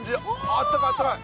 あったかいあったかい！